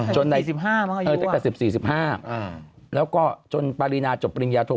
จนในแต่กระดับ๑๐๔๕แล้วก็จนปรินาจบปริญญาโทร